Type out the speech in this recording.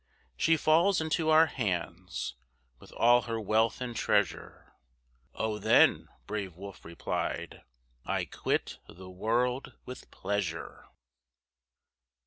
"She falls into our hands, With all her wealth and treasure." "O then," brave Wolfe replied, "I quit the world with pleasure."